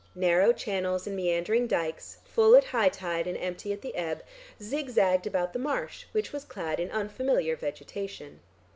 Narrow channels and meandering dykes, full at high tide and empty at the ebb, zig zagged about the marsh which was clad in unfamiliar vegetation.